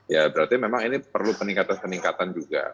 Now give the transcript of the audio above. ya berarti memang ini perlu peningkatan peningkatan juga